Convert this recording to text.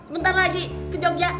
bentar lagi ke jogja